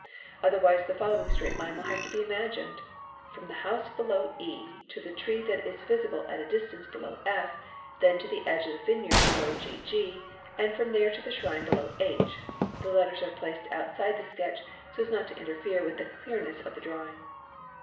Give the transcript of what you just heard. Otherwise the following straight line will have to be imagined ;—from the house below e to the tree that is visible at a distance below f, then to the edge of | the vineyard below gg, and from there to the shrine below h, (the lette: s : are placed outside the sketch so as not to interfere with the clearness of ! the drawing).